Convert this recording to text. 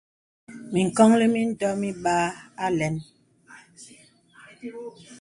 Mǐŋkɔnllī mǐndɔ mibāā alɛ̄n.